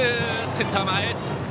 センター前。